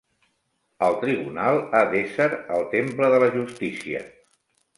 El tribunal ha d'ésser el temple de la justícia.